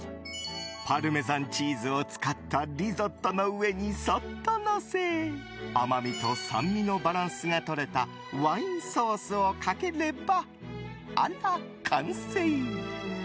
パルメザンチーズを使ったリゾットの上にそっと、のせ甘みと酸味のバランスが取れたワインソースをかければあら、完成。